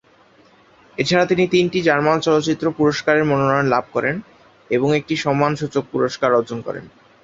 এছাড়া তিনি তিনটি জার্মান চলচ্চিত্র পুরস্কারের মনোনয়ন লাভ করেন এবং একটি সম্মানসূচক পুরস্কার অর্জন করেন।